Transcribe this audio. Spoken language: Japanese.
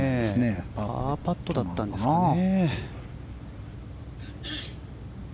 パーパットだったんですかね。